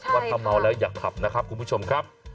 ว่าถ้าเมาแล้วอย่าขับนะครับคุณผู้ชมครับ